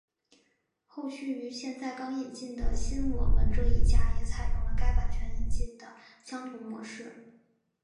后续于现在刚引进的新我们这一家也采用了该版权引进的相同模式。